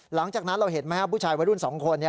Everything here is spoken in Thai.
หลังจากนั้นเราเห็นไหมครับผู้ชายวัยรุ่น๒คน